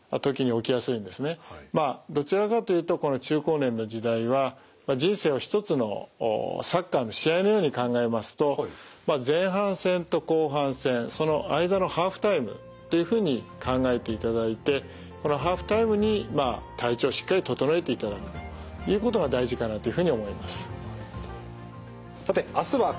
まあどちらかというとこの中高年の時代は人生を一つのサッカーの試合のように考えますと前半戦と後半戦その間のハーフタイムというふうに考えていただいてこのハーフタイムにまあ体調をしっかり整えていただくということが大事かなというふうに思います。